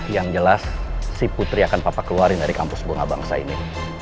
yang jelas si putri akan papa keluarin dari kampus bunga bangsa ini